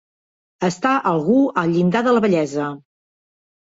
Estar algú al llindar de la vellesa.